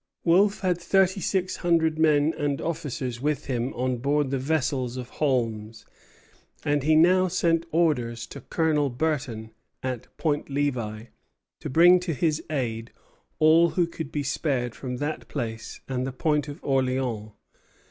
Wolfe had thirty six hundred men and officers with him on board the vessels of Holmes; and he now sent orders to Colonel Burton at Point Levi to bring to his aid all who could be spared from that place and the Point of Orleans.